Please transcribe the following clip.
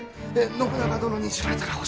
信長殿に知られたらおしまいじゃ。